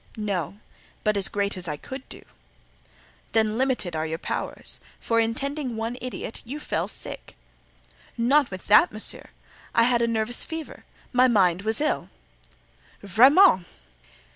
"No; but as great as I could do." "Then limited are your powers, for in tending one idiot you fell sick." "Not with that, Monsieur; I had a nervous fever: my mind was ill." "Vraiment!